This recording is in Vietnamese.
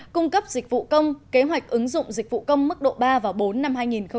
cung cấp dịch vụ công kế hoạch ứng dụng dịch vụ công mức độ ba và bốn năm hai nghìn hai mươi